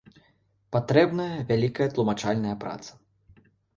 Патрэбная вялікая тлумачальная праца.